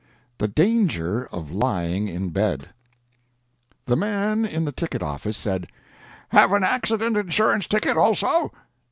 THE DANGER OF LYING IN BED The man in the ticket office said: "Have an accident insurance ticket, also?"